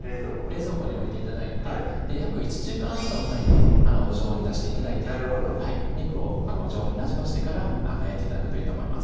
冷蔵庫に置いて頂いて約１時間ほど前に常温に出して頂いて肉を常温になじましてから焼いて頂くといいと思います